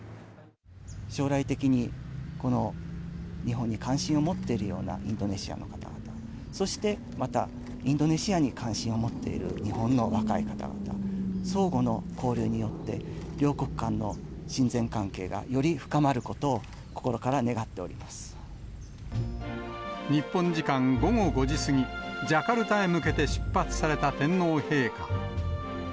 将来的に、この日本に関心を持っているようなインドネシアの方々、そしてまた、インドネシアに関心を持っている日本の若い方々、相互の交流によって、両国間の親善関係が、より深まることを心か日本時間午後５時過ぎ、ジャカルタへ向けて出発された天皇陛下。